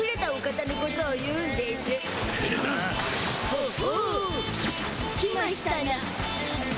ほほう来ましゅたな。